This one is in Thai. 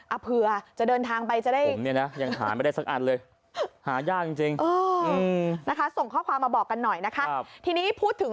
เผื่อจะเดินทางไปจะได้ผมเนี่ยนะยังหาไม่ได้สักอันเลยหายากจริงนะคะส่งข้อความมาบอกกันหน่อยนะคะทีนี้พูดถึง